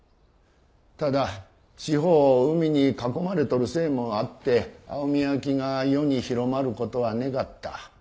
ただ四方を海に囲まれとるせいもあって蒼海焼が世に広まる事はねがった。